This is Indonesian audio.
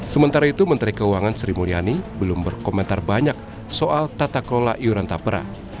sementara itu menteri keuangan sri mulyani belum berkomentar banyak soal tata kelola iuran tapera